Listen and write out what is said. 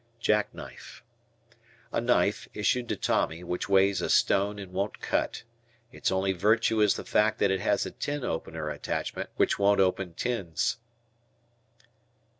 Jackknife. A knife, issued to Tommy, which weighs a stone and won't cut. Its only virtue is the fact that it has a tin opener attachment which won't open tins.